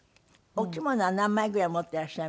お着物は何枚ぐらい持っていらっしゃいます？